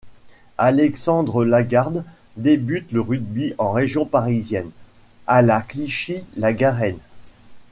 Alexandre Lagarde débute le rugby en région parisienne, à la Clichy La Garenne.